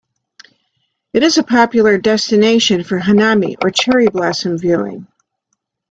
It is a popular destination for hanami, or cherry blossom viewing.